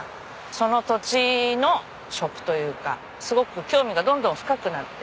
その土地の食というかすごく興味がどんどん深くなって。